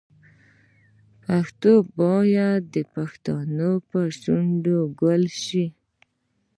پښتو باید بیا د پښتنو په شونډو ګل شي.